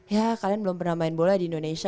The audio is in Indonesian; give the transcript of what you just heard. ya kalian belum pernah main bola di indonesia